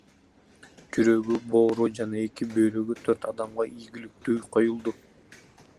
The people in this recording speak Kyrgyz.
Жүрөгү, боору жана эки бөйрөгү төрт адамга ийгиликтүү коюлду.